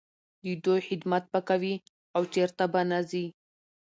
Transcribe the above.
د دوی خدمت به کوې او چرته به نه ځې.